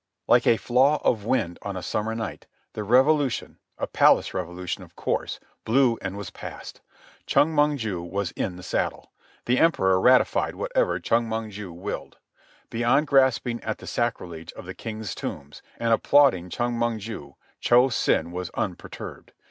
Like a flaw of wind on a summer night the revolution, a palace revolution of course, blew and was past. Chong Mong ju was in the saddle. The Emperor ratified whatever Chong Mong ju willed. Beyond gasping at the sacrilege of the king's tombs and applauding Chong Mong ju, Cho Sen was unperturbed.